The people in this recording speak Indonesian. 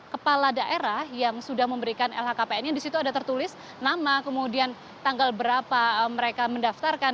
kepala daerah yang sudah memberikan lhkpn yang disitu ada tertulis nama kemudian tanggal berapa mereka mendaftarkan